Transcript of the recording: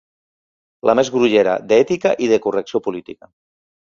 La més grollera, d’ètica i de correcció política.